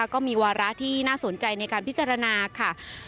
ก็มีวาระที่น่าสนใจในการพิจารณาค่ะ